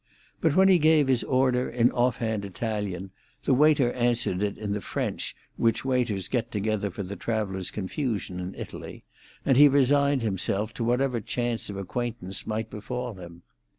But when he gave his order in offhand Italian, the waiter answered in the French which waiters get together for the traveller's confusion in Italy, and he resigned himself to whatever chance of acquaintance might befall him.